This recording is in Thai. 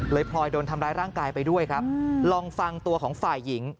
พลอยโดนทำร้ายร่างกายไปด้วยครับลองฟังตัวของฝ่ายหญิง